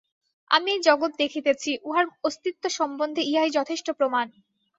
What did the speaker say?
আমি এই জগৎ দেখিতেছি, উহার অস্তিত্ব সম্বন্ধে ইহাই যথেষ্ট প্রমাণ।